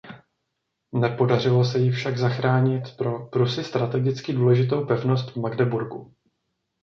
Nepodařilo se jí však zachránit pro Prusy strategicky důležitou pevnost v Magdeburgu.